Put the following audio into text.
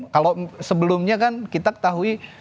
kalau sebelumnya kan kita ketahui